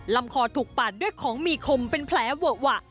ลำคอถูกปาดด้วยของมีคมเป็นแผลเวอะหวะ